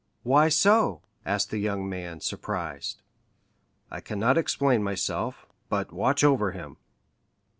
"Why so?" asked the young man, surprised. "I cannot explain myself; but watch over him."